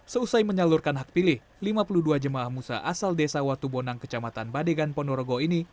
seusai menyalurkan hak pilih lima puluh dua jemaah musa asal desa watubonang kecamatan badegan ponorogo ini